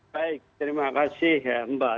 baik terima kasih mbak